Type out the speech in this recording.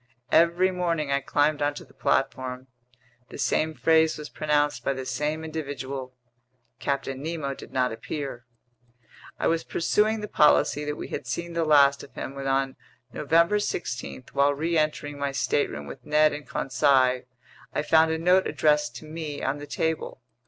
Every morning I climbed onto the platform. The same phrase was pronounced by the same individual. Captain Nemo did not appear. I was pursuing the policy that we had seen the last of him, when on November 16, while reentering my stateroom with Ned and Conseil, I found a note addressed to me on the table.